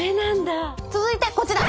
続いてこちら。